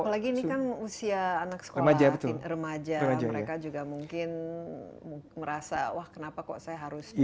apalagi ini kan usia anak sekolah remaja mereka juga mungkin merasa wah kenapa kok saya harus